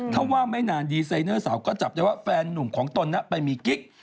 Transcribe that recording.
ถ้าว่าไม่นานดีไซเนอร์สาวก็จับได้ว่าแฟนนุ่มของตนไปมีกิ๊ก